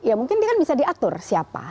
ya mungkin dia kan bisa diatur siapa